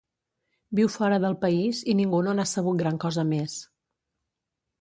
Viu fora del país i ningú no n'ha sabut gran cosa més.